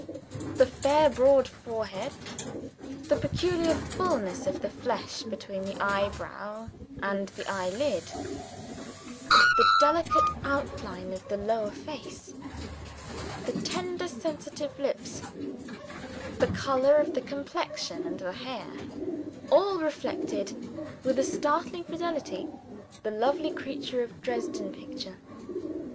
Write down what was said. The fair broad forehead; the peculiar fullness of the flesh between the eyebrow and the eyelid; the delicate outline of the lower face; the tender, sensitive lips; the color of the complexion and the hair all reflected, with a startling fidelity, the lovely creature of the Dresden picture.